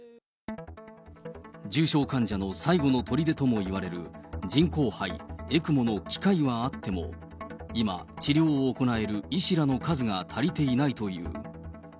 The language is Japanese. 重症患者の最後のとりでともいわれる人工肺・ＥＣＭＯの機械はあっても、今、治療を行える医師らの数が足りていないという。